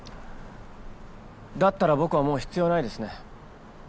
だったら僕はもう必要ないですね。